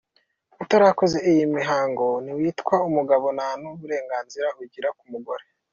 Utarakoze iyi mihango ntiwitwa umugabo nta n’uburenganzira ugira ku mugore.